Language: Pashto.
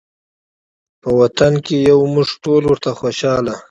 په وطن کې یو موږ ټول ورته خوشحاله